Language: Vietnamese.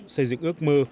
xây dựng ước mơ